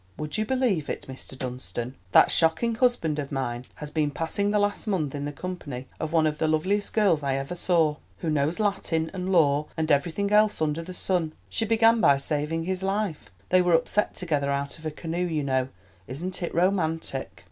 Would you believe it, Mr. Dunstan? that shocking husband of mine has been passing the last month in the company of one of the loveliest girls I ever saw, who knows Latin and law and everything else under the sun. She began by saving his life, they were upset together out of a canoe, you know. Isn't it romantic?"